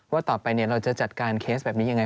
ว่าต่อไปเราจะจัดการเคสแบบนี้ยังไง